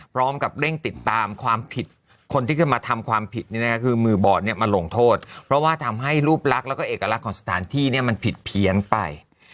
พร้อมกับเร่งติดตามความผิดคนที่ขึ้นมาทำความผิดคือมือบอดเนี่ยมาลงโทษเพราะว่าทำให้รูปลักษณ์แล้วก็เอกลักษณ์ของสถานที่เนี่ยมันผิดเพี้ยนไป